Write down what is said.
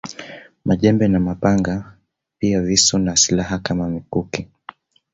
Majembe na mapanga pia visu na silaha kama mikuki